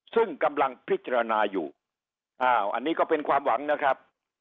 ซึ่งกำลังพิจารณาอยู่อ้าวอันนี้ก็เป็นความหวังนะครับ